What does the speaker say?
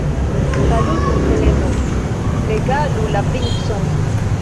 Salutu, Heleno, regalu la princon.